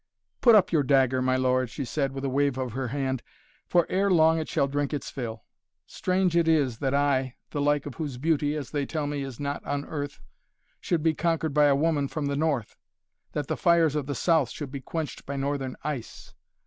"Put up your dagger, my lord," she said, with a wave of her hand. "For, ere long, it shall drink its fill. Strange it is that I the like of whose beauty, as they tell me, is not on earth should be conquered by a woman from the North that the fires of the South should be quenched by Northern ice.